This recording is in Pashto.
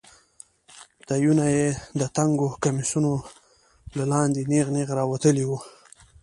تيونه يې د تنګو کميسونو له لاندې نېغ نېغ راوتلي وو.